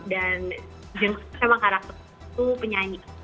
dan yang pertama karakter itu penyanyi